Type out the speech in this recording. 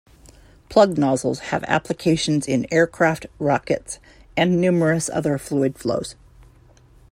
Plug nozzles have applications in aircraft, rockets, and numerous other fluid flows.